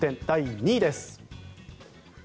第２位です。